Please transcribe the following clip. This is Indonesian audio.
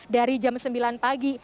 dari jam sembilan pagi